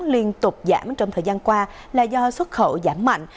liên tục giảm trong thời gian qua là do xuất khẩu giảm mạnh